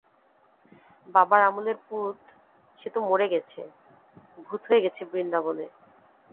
বাবার আমলের পুরুত– সে তো মরে গেছে–ভূত হয়ে গেছে বৃন্দাবনে।